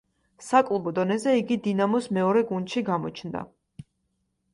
საკლუბო დონეზე იგი „დინამოს“ მეორე გუნდში გამოჩნდა.